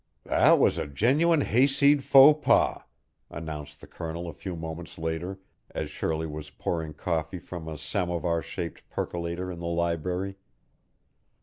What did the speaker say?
"That was a genuine hayseed faux pas," announced the Colonel a few moments later as Shirley was pouring coffee from a samovar shaped percolator in the library.